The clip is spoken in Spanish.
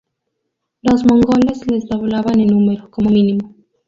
Los mongoles les doblaban en número, como mínimo.